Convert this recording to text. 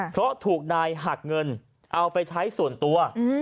เพราะถูกนายหักเงินเอาไปใช้ส่วนตัว